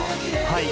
「はい」